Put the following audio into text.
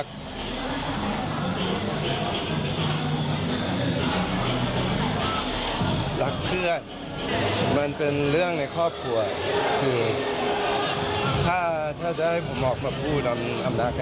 เกี่ยวกับเรื่องของเงินเขานึกว่าพี่ออกมา